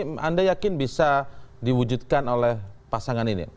apa yang anda yakin bisa diwujudkan oleh pasangan ini